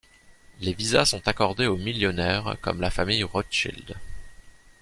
Les visas sont accordés aux millionnaires, comme la famille Rothschild.